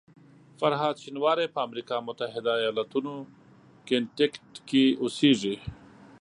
فرهاد شینواری په امریکا متحده ایالاتو کنیټیکټ کې اوسېږي.